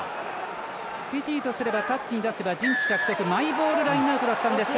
フィジーとすればタッチに出せば陣地獲得マイボールラインアウトでしたが。